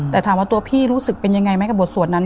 แต่ถามว่าตัวพี่รู้สึกเป็นยังไงไหมกับบทสวดนั้น